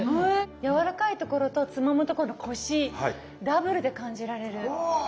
やわらかいところとつまむとこのコシダブルで感じられる。